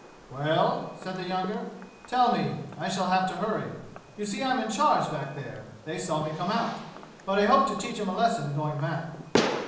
"Well?" said the younger. "Tell me. I shall have to hurry. You see I'm in charge back there. They saw me come out, but I hope to teach 'em a lesson going back."